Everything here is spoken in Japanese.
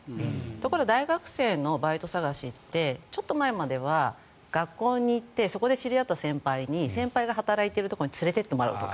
ところが大学生のバイト探しってちょっと前までは学校に行ってそこで知り合った先輩に先輩が働いているところに連れて行ってもらうとか。